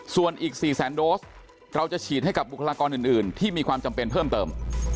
ส่วนอีก๔แสนโดสเราจะฉีดให้กับบุคลากรอื่นที่มีความจำเป็นเพิ่มเติม